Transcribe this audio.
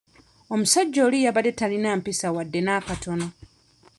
Omusajja oli yabadde talina mpisa wadde n'akatono.